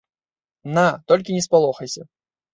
На, толькі не спалохайся.